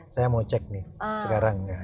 saya mau cek nih sekarang ya